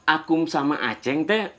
akum sama aceng teh